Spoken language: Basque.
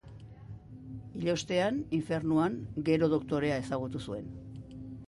Hil ostean infernuan Gero Doktorea ezagutu zuen.